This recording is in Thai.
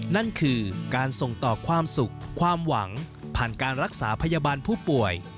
นั่นคือการส่งต่อความสุขความหวังผ่านการรักษาพยาบาลผู้ป่วย